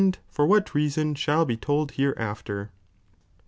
(iiui'i for what reason shall he told hereai^r.'